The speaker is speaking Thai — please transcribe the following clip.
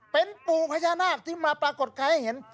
เป็นปู่พญานาคที่มาปรากฏกายให้เห็น